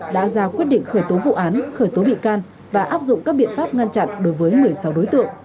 đã ra quyết định khởi tố vụ án khởi tố bị can và áp dụng các biện pháp ngăn chặn đối với một mươi sáu đối tượng